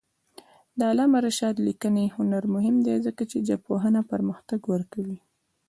د علامه رشاد لیکنی هنر مهم دی ځکه چې ژبپوهنه پرمختګ ورکوي.